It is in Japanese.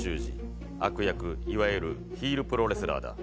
悪役いわゆるヒールプロレスラーだ。